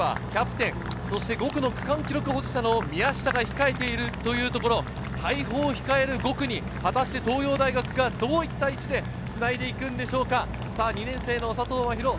東洋大学は５区にはキャプテン、５区の区間記録保持者の宮下が控えているというところ、大砲を控える５区に果たして東洋大学がどういった位置でつないでいくんでしょうか？